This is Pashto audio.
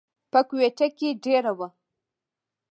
پۀ کوئټه کښې دېره وو،